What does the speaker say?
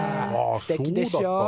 すてきでしょ？